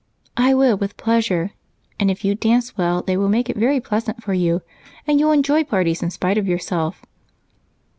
"I will with pleasure; and if you dance well they will make it very pleasant for you, and you'll enjoy parties in spite of yourself."